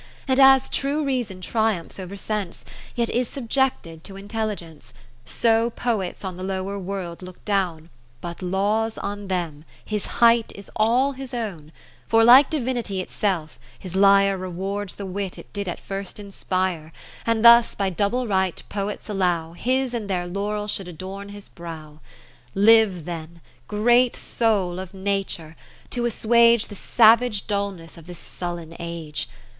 And as true Reason triumphs over sense, Yet is subjected to intelligence : So Poets on the lower World look down, But Lawes on them ; his Height is all his own, For, like Divinity itself, his lyre Rewards the wit it did at first inspire And thus by double right Poets allow His and their laurel should adorn his brow. 30 Live then, Great Soul of Nature, to assuage The savage dullness of this sullen Age.